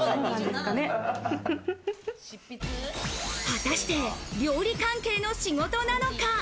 果たして料理関係の仕事なのか？